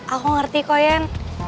aku ngerti ko yen